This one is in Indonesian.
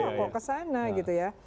oh kok kesana gitu ya